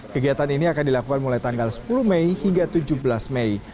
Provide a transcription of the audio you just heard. kegiatan ini akan dilakukan mulai tanggal sepuluh mei hingga tujuh belas mei